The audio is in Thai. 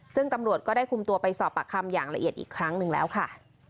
ซึ่งตำรวจก็ได้คุมตัวไปสอบปากคำอย่างละเอียดอีกครั้งหนึ่งแล้วค่ะ